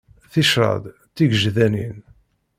Ticraḍ tigejdanin.